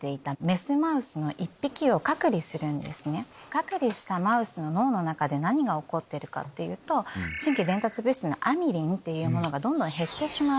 隔離したマウスの脳の中で何が起こっているかっていうと神経伝達物質のアミリンがどんどん減ってしまう。